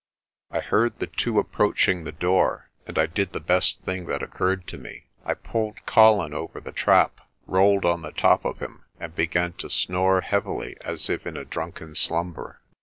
I heard the two approaching the door and I did the best thing that occurred to me. I pulled Colin over the trap, rolled on the top of him, and began to snore heavily as if in a drunken slumber.